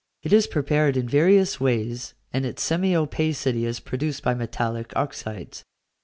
It is prepared in various ways, and its semi opacity is produced by metallic oxydes.